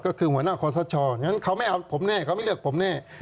ก็คือหัวหน้าขอสชเขาไม่เอาผมแน่เขาไม่เลือกผมแน่